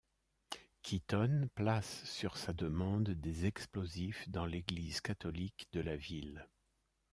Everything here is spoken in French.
Keeton place sur sa demande des explosifs dans l'église catholique de la ville.